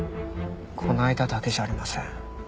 この間だけじゃありません。